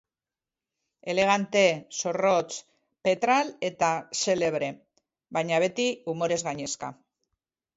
Elegante, zorrotz, petral eta xelebre, baina beti umorez gainezka.